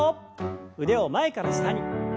腕を前から下に。